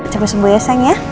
coba sembuh ya sang ya